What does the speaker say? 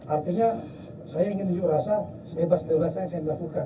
artinya saya ingin menunjuk rasa sebebas bebasan yang saya melakukan